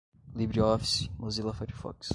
libreoffice, mozilla firefox